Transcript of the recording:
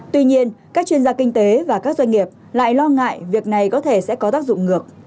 tuy nhiên các chuyên gia kinh tế và các doanh nghiệp lại lo ngại việc này có thể sẽ có tác dụng ngược